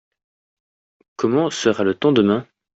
Comment sera le temps demain ?